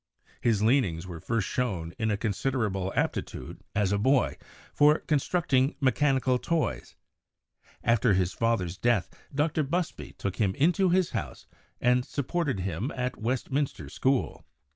His leanings were first shown in a considerable aptitude, as a boy, for con structing mechanical toys. After his father's death Dr. Busby took him into his house and supported him while 96 CHEMISTRY at Westminster School.